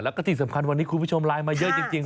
แล้วก็ที่สำคัญวันนี้คุณผู้ชมไลน์มาเยอะจริง